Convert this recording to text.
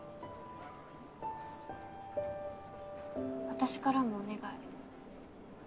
私からもお願い。